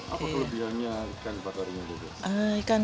apa kelebihannya ikan bakarnya